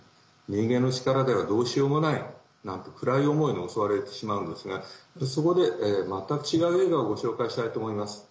人間の力ではどうしようもない、なんて暗い思いに襲われてしまうんですがそこで全く違った映画をご紹介したいと思います。